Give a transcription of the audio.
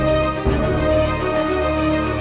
aku tunggu kabar kamu